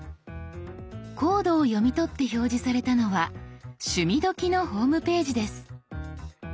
コードを読み取って表示されたのは「趣味どきっ！」のホームページです。